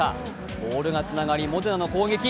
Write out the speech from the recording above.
ボールがつながり、モデナの攻撃。